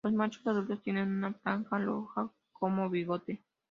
Los machos adultos tienen una franja roja como bigote.